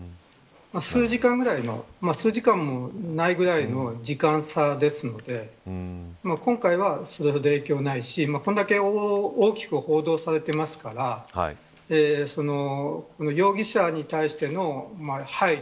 数時間ぐらいの数時間もないぐらいの時間差ですので今回は、それほど影響はないしこれだけ大きく報道されていますから容疑者に対しての配慮。